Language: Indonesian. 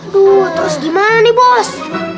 tuh terus gimana nih bos